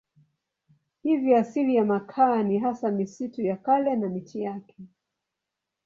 Hivyo asili ya makaa ni hasa misitu ya kale na miti yake.